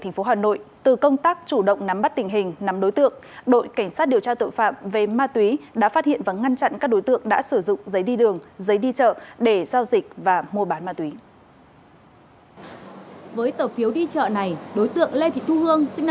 trong biên cũng đã bị đội cảnh sát điều tra tội phạm về ma túy công an quận ba đình